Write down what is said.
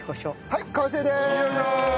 はい完成です！